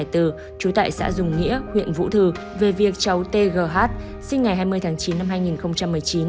trú tại xã dùng nghĩa huyện vũ thừ về việc cháu t g h sinh ngày hai mươi tháng chín năm hai nghìn một mươi chín